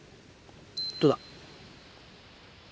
どうだ？